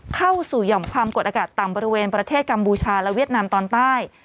เข้าสู่หย่อมความกดอากาศต่ำบริเวณประเทศกัมพูชาและเวียดนามตอนใต้